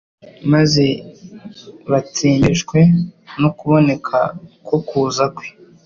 maze « batsembeshwe no kuboneka ko kuza kwe»